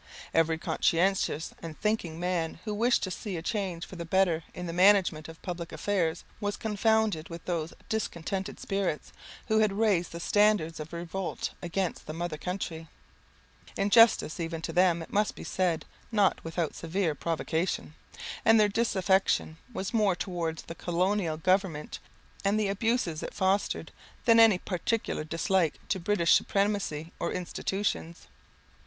Every conscientious and thinking man who wished to see a change for the better in the management of public affairs, was confounded with those discontented spirits, who had raised the standard of revolt against the mother country. In justice even to them, it must be said, not without severe provocation; and their disaffection was more towards the colonial government, and the abuses it fostered, than any particular dislike to British supremacy or institutions.